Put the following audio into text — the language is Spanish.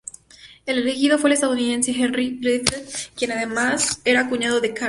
El elegido fue el estadounidense Henry D. Whitfield, quien además era cuñado de Carnegie.